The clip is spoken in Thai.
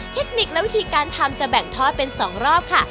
เทคนิคและวิธีการทำจะแบ่งทอดเป็น๒รอบค่ะ